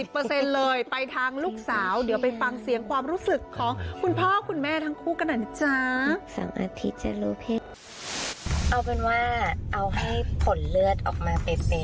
๘๐เปอร์เซ็นต์เลยไปทางลูกสาวเดี๋ยวไปฟังเสียงความรู้สึกของคุณพ่อคุณแม่ทั้งคู่กันนี่จ้า